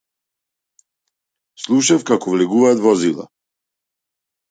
Слушнав како влегуваат возила.